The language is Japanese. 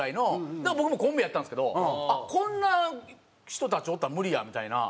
だから僕もコンビやったんですけどあっこんな人たちおったら無理やみたいな。